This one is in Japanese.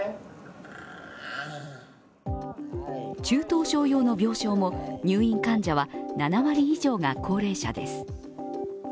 中等症用の病床も入院患者は７割以上が高齢者です。